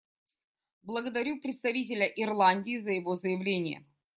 Благодарю представителя Ирландии за его заявление.